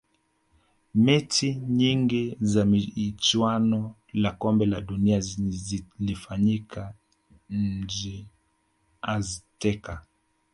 mechi nyingi za michuano la kombe la dunia zilifanyika mjini azteca